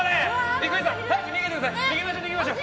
行きましょう！